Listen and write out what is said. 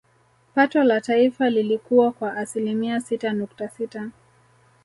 Pato la taifa lilikua kwa asilimia sita nukta sita